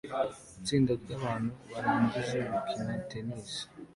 Itsinda ryabantu barangije gukina tennis